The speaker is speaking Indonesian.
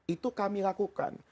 itu kami lakukan